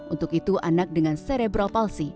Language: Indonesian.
untuk itu anak dengan serebral palsi